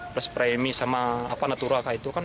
plus premi sama natura itu kan